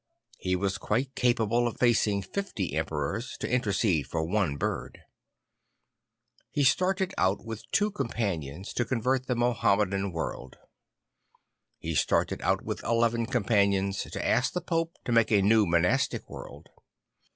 He was quite capable of facing fifty emperors to intercede for one bird. He started out with t\VO companions to convert the Mahomedan world. He started out with eleven companions to ask the Pope to make a ne\v monastic world.